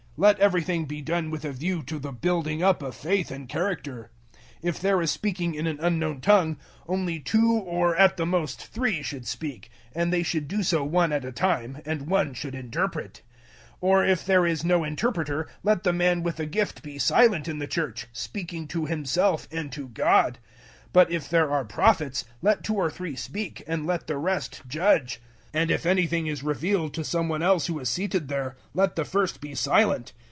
Let everything be done with a view to the building up of faith and character. 014:027 If there is speaking in an unknown tongue, only two or at the most three should speak, and they should do so one at a time, and one should interpret; 014:028 or if there is no interpreter, let the man with the gift be silent in the Church, speaking to himself and to God. 014:029 But if there are Prophets, let two or three speak and let the rest judge. 014:030 And if anything is revealed to some one else who is seated there, let the first be silent.